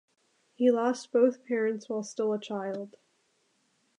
He lost both parents while still a child.